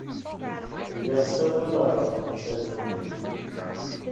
Lliɣ ssawaleɣ ɣef temsalt-nni.